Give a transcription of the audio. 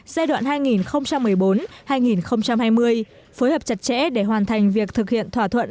giai đoạn hai nghìn một mươi bốn hai nghìn hai mươi phối hợp chặt chẽ để hoàn thành việc thực hiện thỏa thuận